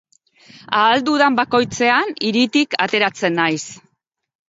Ahal dudan bakoitzean, hiritik ateratzen naiz.